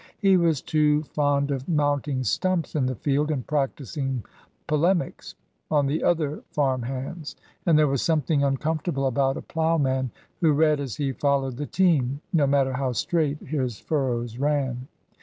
He was too fond of mounting stumps in the field and "practising polemics" on the other farm hands, and there was something uncomfortable 50 THE LAW STUDENT about a plowman who read as he followed the team, no matter how straight his furrows ran.